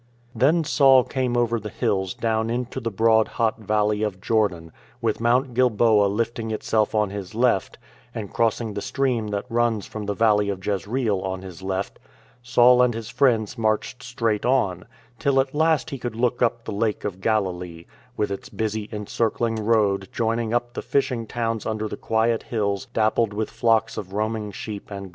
Then Saul came over the hills down into the broad hot valley of Jordan, with Mount Gilboa lifting itself on his left, and crossing the stream that runs from the Valley of Jezreel on his left, Saul and his friends marched straight on; till at last he could look up the Lake of Galilee, with its busy encircling road joining up the fishing towns under the quiet hills dappled with flocks of roaming sheep and goats.